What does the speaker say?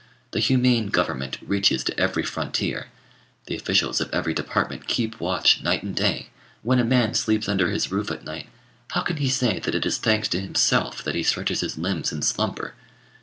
The humane Government reaches to every frontier: the officials of every department keep watch night and day. When a man sleeps under his roof at night, how can he say that it is thanks to himself that he stretches his limbs in slumber?